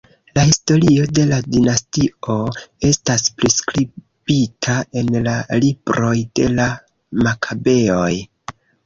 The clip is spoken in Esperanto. La historio de la dinastio estas priskribita en la Libroj de la Makabeoj.